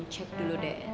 cek dulu deh